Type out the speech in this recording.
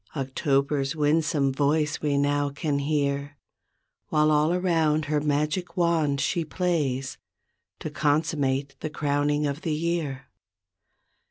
October's winsome voice we now can hear, While all around, her magic wand she plays, To consummate the crowning of the year.